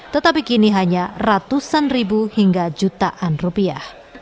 tetapi kini hanya ratusan ribu hingga jutaan rupiah